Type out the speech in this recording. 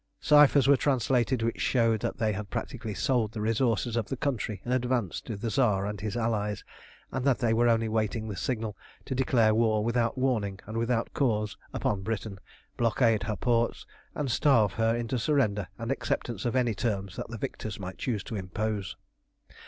Cyphers were translated which showed that they had practically sold the resources of the country in advance to the Tsar and his allies, and that they were only waiting the signal to declare war without warning and without cause upon Britain, blockade her ports, and starve her into surrender and acceptance of any terms that the victors might choose to impose.